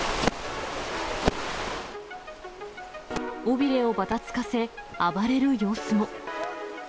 尾びれをばたつかせ、暴れる様子も。